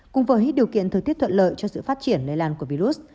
cùng với điều kiện thời tiết thuận lợi cho sự phát triển lây lan của virus